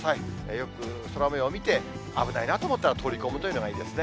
よく空もようを見て、危ないなと思ったら取り込むというのがいいですね。